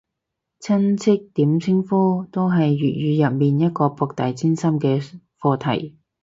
親戚點稱呼都係粵語入面一個博大精深嘅課題